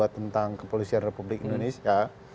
tentang kepolisian republik indonesia